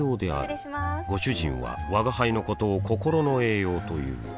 失礼しまーすご主人は吾輩のことを心の栄養という